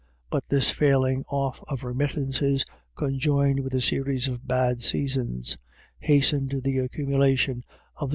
But this falling off of remittances, conjoined with a series of bad seasons, hastened the accumulation of the HERSELF.